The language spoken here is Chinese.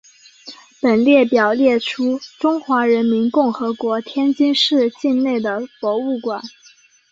本列表列出中华人民共和国天津市境内的博物馆。